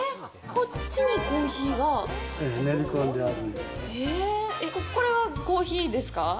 こっちにコーヒーがえっコレはコーヒーですか？